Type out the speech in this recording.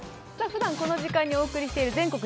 ふだんこの時間にお送りしている「全国！